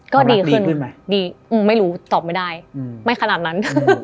ก็ดีขึ้นไหมดีไม่รู้ตอบไม่ได้ไม่ขนาดนั้น